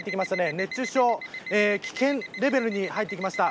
熱中症危険レベルに入ってきました。